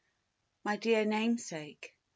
MY DEAR NAMESAKE .